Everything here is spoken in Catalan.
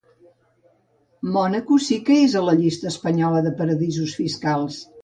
Mònaco sí que és a la llista espanyola de paradisos fiscals.